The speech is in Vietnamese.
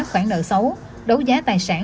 khoản nợ xấu đấu giá tài sản